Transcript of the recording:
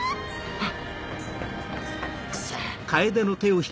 あっ！